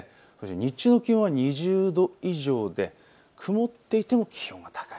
日中の気温は２０度以上で曇っていても気温が高い。